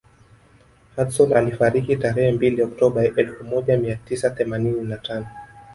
Hudson alifariki tarehe mbili Oktoba elfu moja mia tisa themanini na tano